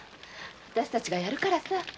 あたしたちがやるからさ。